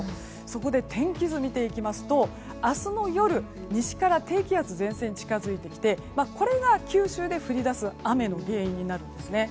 そこで天気図を見ていきますと明日の夜西から低気圧、前線が近づいてきて、これが九州で降り出す雨の原因になるんですね。